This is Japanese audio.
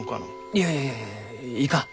いやいやいやいかん。